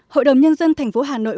hội đồng nhân dân thành phố hà nội